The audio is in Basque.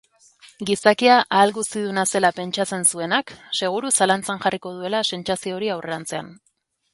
Gizakia ahalguztiduna zela pentsatzen zuenak, seguru zalantzan jarriko duela sentsazio hori aurrerantzean.